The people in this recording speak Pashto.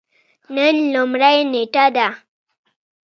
نن لومړۍ نیټه ده